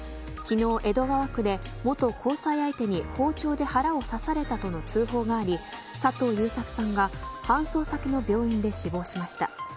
昨日、江戸川区で元交際相手に包丁で腹を刺されたとの通報があり佐藤優作さんが、搬送先の病院で死亡しました。